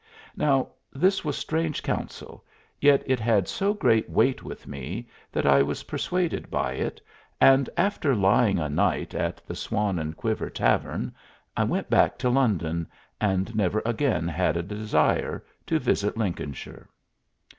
Now this was strange counsel, yet it had so great weight with me that I was persuaded by it, and after lying a night at the Swan and Quiver Tavern I went back to London, and never again had a desire to visit Lincolnshire.